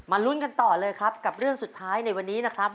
ลุ้นกันต่อเลยครับกับเรื่องสุดท้ายในวันนี้นะครับ